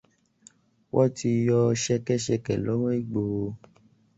Wọ́n ti yọ ṣẹ́kẹ́-ṣẹkẹ̀ lọ́wọ́ Ìgbòho.